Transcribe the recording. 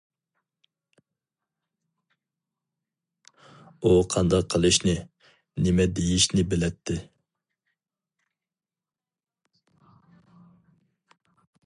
ئۇ قانداق قىلىشنى، نېمە دېيىشنى بىلەتتى.